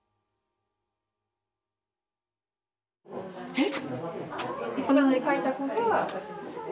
えっ！